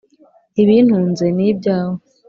ibintunze n’ibyawe